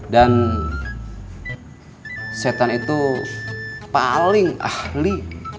dan setan itu paling ahli